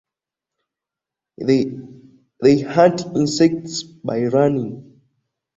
They hunt insects by running.